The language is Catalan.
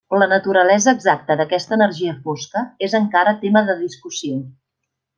La naturalesa exacta d'aquesta energia fosca és encara tema de discussió.